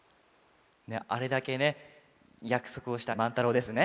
あれだけね約束をした万太郎ですね。